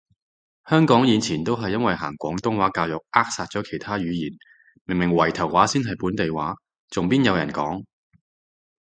香港以前都係因為行廣東話教育扼殺咗其他語言，明明圍頭話先係本地話，仲邊有人講？